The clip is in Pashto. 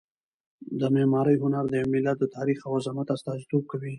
د معمارۍ هنر د یو ملت د تاریخ او عظمت استازیتوب کوي.